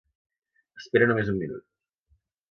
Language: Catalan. Espera només un minut.